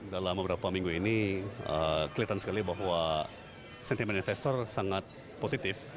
dalam beberapa minggu ini kelihatan sekali bahwa sentimen investor sangat positif